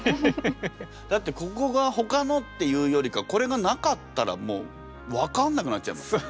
だってここがほかのっていうよりかこれがなかったらもう分かんなくなっちゃいますよね。